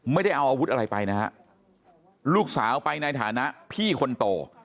ไม่ได้เอาอาวุธอะไรไปนะฮะลูกสาวไปในฐานะพี่คนโต